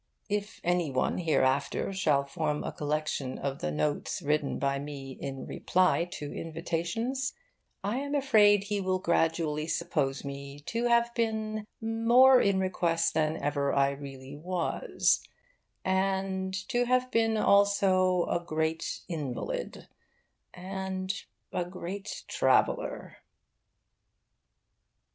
If any one hereafter shall form a collection of the notes written by me in reply to invitations, I am afraid he will gradually suppose me to have been more in request than ever I really was, and to have been also a great invalid, and a great traveller.